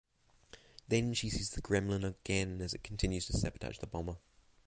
Then she sees the gremlin again as it continues to sabotage the bomber.